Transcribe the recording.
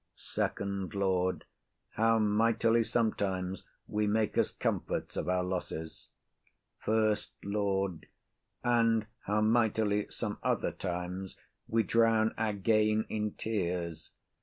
FIRST LORD. How mightily sometimes we make us comforts of our losses! SECOND LORD. And how mightily some other times we drown our gain in tears!